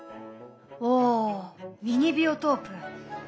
おミニビオトープ。